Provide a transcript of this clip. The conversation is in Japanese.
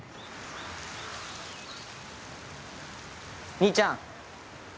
兄ちゃん。